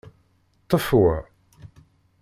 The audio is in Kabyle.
Ṭṭef wa.